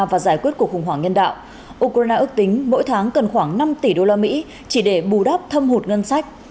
và giải quyết cuộc khủng hoảng nhân đạo ukraine ước tính mỗi tháng cần khoảng năm tỷ đô la mỹ chỉ để bù đắp thâm hụt ngân sách